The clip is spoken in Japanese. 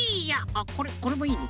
あっこれもいいね。